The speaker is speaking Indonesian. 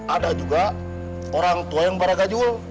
ada juga orang tua yang parah gajul